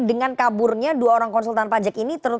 dengan kaburnya dua orang konsultan pajak ini